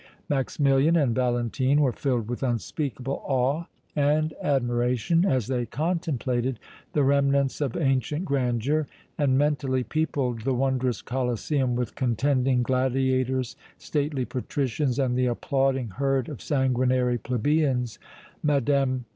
Maximilian and Valentine were filled with unspeakable awe and admiration as they contemplated the remnants of ancient grandeur, and mentally peopled the wondrous Colosseum with contending gladiators, stately Patricians and the applauding herd of sanguinary Plebeians, Mme.